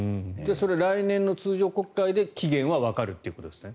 それは来年の通常国会で期限はわかるということですか？